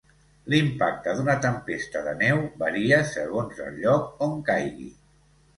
L'impacte d'una tempesta de neu varia segons el lloc on caigui.